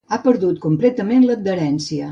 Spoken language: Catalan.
Ha perdut completament l'adherència.